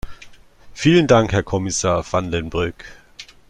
Vielen Dank Herr Kommissar Van den Broek.